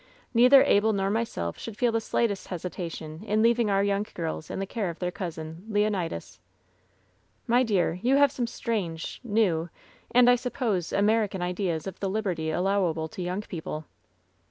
Neither Abel nor myself should feel the slightest hesitation in leaving our young girls in the care of their cousin, Leonidas.'' "My dear, you have some strange, new, and, I sup pose, American ideas of the liberty allowable to young people.